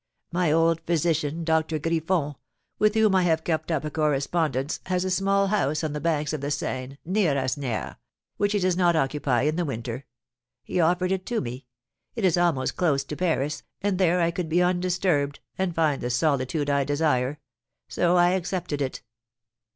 "My old physician, Doctor Griffon, with whom I have kept up a correspondence, has a small house on the banks of the Seine, near Asnières, which he does not occupy in the winter; he offered it to me; it is almost close to Paris, and there I could be undisturbed, and find the solitude I desire. So I accepted it."